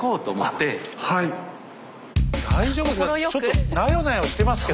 大丈夫ですか？